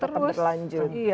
semoga mereka bisa terus